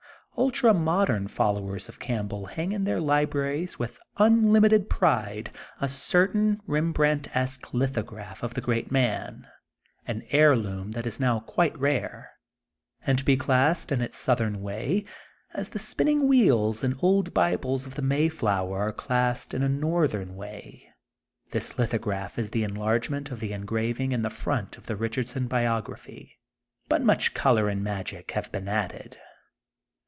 Ultra modem followers of Campbell hang in their libraries with unUmited pride a cer tain Bembrandtesque lithograph of the great man, an heirloom that is now quite rare, and to be classed in its southern way, as the spin ning* wheels and old Bibles of the Mayflower are classed in a northern way. This lithograph is the enlargement of the engraving in the front of the Eichardson biography, but much color and magic have been added.